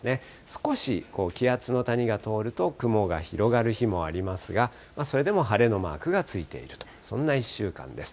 少し気圧の谷が通ると、雲が広がる日もありますが、それでも晴れのマークがついていると、そんな１週間です。